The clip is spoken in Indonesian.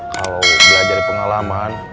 kalau belajar dari pengalaman